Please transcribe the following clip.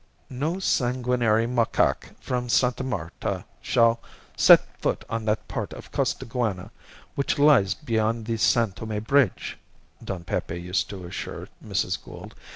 "No sanguinary macaque from Sta. Marta shall set foot on that part of Costaguana which lies beyond the San Tome bridge," Don Pepe used to assure Mrs. Gould.